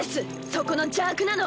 そこの邪悪なの。